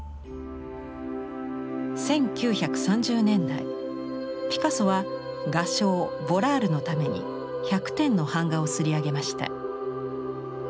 １９３０年代ピカソは画商ヴォラールのために１００点の版画を刷り上げました。